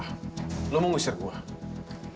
kamila mau menyesuaikan saya